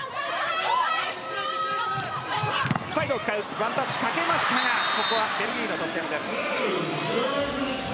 ワンタッチかけましたがベルギーの得点です。